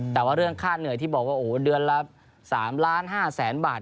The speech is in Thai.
แต่ว่าเรื่องค่าเหนื่อยที่บอกว่าโอ้โหเดือนละ๓ล้าน๕แสนบาท